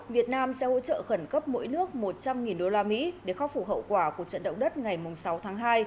việt nam sẽ hỗ trợ khẩn cấp mỗi nước một trăm linh usd để khắc phục hậu quả của trận động đất ngày sáu tháng hai